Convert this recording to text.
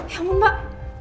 ya ampun pak